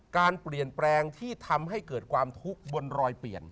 การเปลี่ยนแปลงที่ทำให้เกิดความทุกข์บนรอยเปลี่ยน